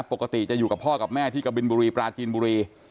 ปกติจะอยู่กับพ่อกับแม่ที่กะบินบุรีปลาจีนบุรี